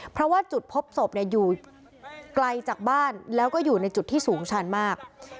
เพราะว่าจุดพบศพอยู่ไกลจากบ้านแล้วก็อยู่ในจุดที่สูงชันมาก